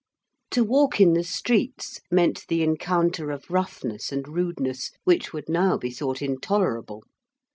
] To walk in the streets meant the encounter of roughness and rudeness which would now be thought intolerable.